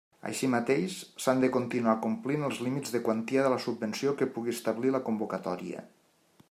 Així mateix s'han de continuar complint els límits de quantia de la subvenció que pugui establir la convocatòria.